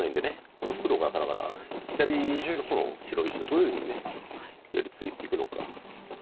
この黒がだから左の方の白石をどういうふうに寄り付いていくのか。